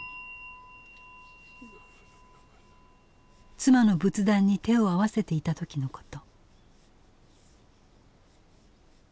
妻の仏壇に手を合わせていた時のこと。